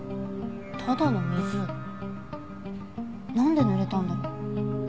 ただの水なんでぬれたんだろう？